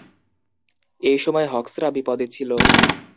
এ সময় হক্সরা বিপদে ছিল।